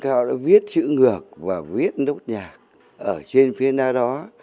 cụ văn cao đã viết chữ ngược và viết đốt nhạc ở trên phía nào đó